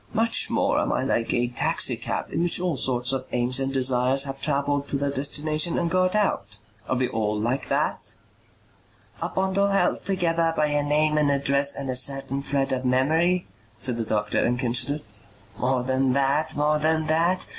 Much more am I like a taxi cab in which all sorts of aims and desires have travelled to their destination and got out. Are we all like that?" "A bundle held together by a name and address and a certain thread of memory?" said the doctor and considered. "More than that. More than that.